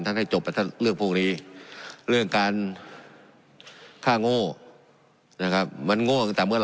ท่านให้จบแต่ถ้าเลือกพวกนี้เรื่องการหนู้นะครับมันหนูเอาตัวเมือง